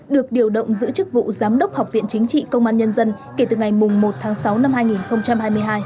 được điều động giữ chức vụ giám đốc học viện chính trị công an nhân dân kể từ ngày một tháng sáu năm hai nghìn hai mươi hai